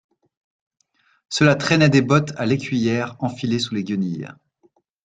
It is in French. Cela traînait des bottes à l'écuyère enfilées sous les guenilles.